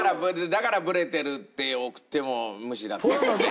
だから「ブレてる」って送っても無視だったんだね。